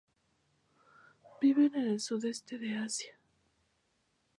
Viven en el sudeste de Asia.